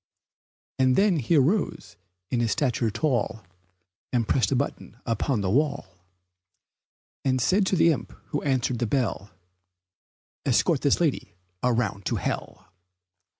And then he arose in his stature tall, And pressed a button upon the wall, And said to the imp who answered the bell, "Escort this lady around to hell!"